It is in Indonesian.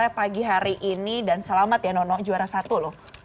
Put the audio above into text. saya pagi hari ini dan selamat ya nono juara satu loh